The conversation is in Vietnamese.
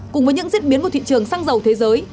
cùng với những diễn biến của thị trường xăng dầu thế giới